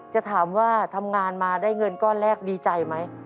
จะถามว่าทำงานมาได้เงินก้อนแรกดีใจไหม